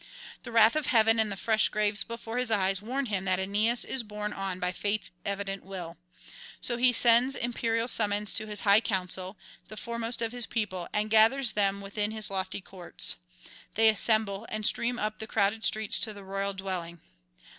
The wrath of heaven and the fresh graves before his eyes warn him that Aeneas is borne on by fate's evident will. So he sends imperial summons to [235 269]his high council, the foremost of his people, and gathers them within his lofty courts. They assemble, and stream up the crowded streets to the royal dwelling.